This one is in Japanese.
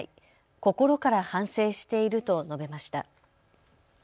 心から反省していると述べました。